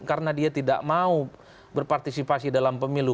karena dia tidak mau berpartisipasi dalam pemilu